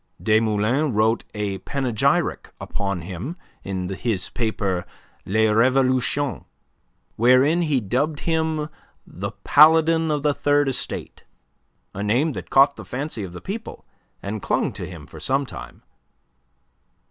Desmoulins wrote a panegyric upon him in his paper "Les Revolutions," wherein he dubbed him the "Paladin of the Third Estate," a name that caught the fancy of the people, and clung to him for some time.